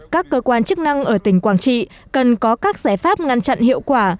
các cơ quan chức năng ở tỉnh quảng trị cần có các giải pháp ngăn chặn hiệu quả